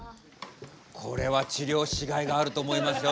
これは治りょうしがいがあると思いますよ